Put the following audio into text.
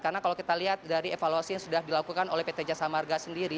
karena kalau kita lihat dari evaluasi yang sudah dilakukan oleh pt jasa marga sendiri